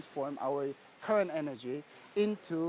energi sekarang kita